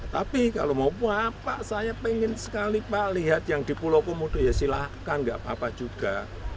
tapi kalau mau apa saya pengen sekali pak lihat yang di pulau komodo ya silahkan gak apa apa juga